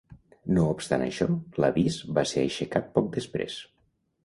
No obstant això, l'avís va ser aixecat poc després.